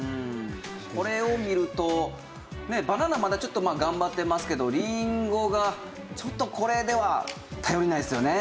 これを見るとバナナまだちょっと頑張ってますけどりんごがちょっとこれでは頼りないですよね。